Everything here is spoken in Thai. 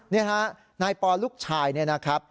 นี่ครับนายปอนลูกชายนะครับ